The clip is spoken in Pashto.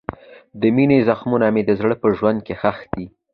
د مینې زخمونه مې د زړه په ژورو کې ښخ دي.